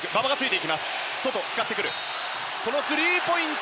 スリーポイント